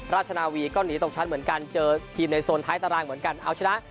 ราชนาวีก็หนีตกชั้นเหมือนกันเจอทีมในโซนท้ายตารางเหมือนกันเอาชนะ